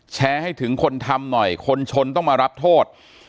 ให้ถึงคนทำหน่อยคนชนต้องมารับโทษ